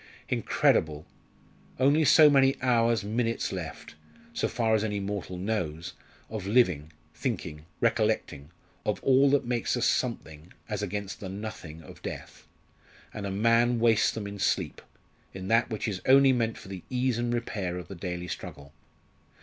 "Incredible! only so many hours, minutes left so far as any mortal knows of living, thinking, recollecting, of all that makes us something as against the nothing of death and a man wastes them in sleep, in that which is only meant for the ease and repair of the daily struggle.